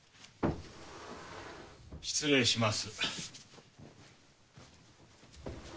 失礼します。